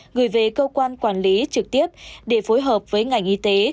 gửi về cơ quan quản lý trực tiếp để phối hợp với ngành y tế